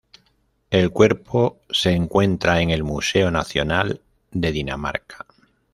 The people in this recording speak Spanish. El cuerpo se encuentra en el Museo Nacional de Dinamarca.